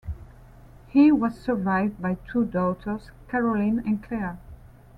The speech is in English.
He was survived by two daughters, Caroline and Clare.